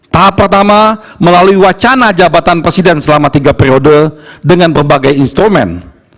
tahap pertama melalui wacana jabatan presiden selama tiga periode dengan berbagai instrumen